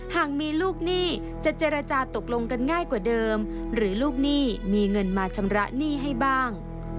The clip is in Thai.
หากมีลูกหนี้จะเจรจาตกลงกันง่ายกว่าเดิมหรือลูกหนี้มีเงินมาชำระหนี้ให้บ้าง